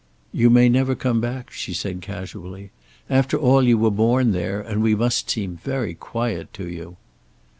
"You may never come back," she said, casually. "After all, you were born there, and we must seem very quiet to you."